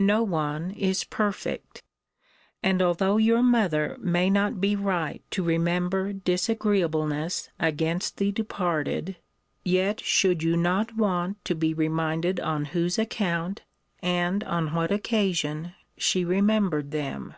No one is perfect: and although your mother may not be right to remember disagreeableness against the departed, yet should you not want to be reminded on whose account, and on what occasion, she remembered them.